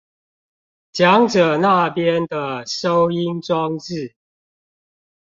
講者那邊的收音裝置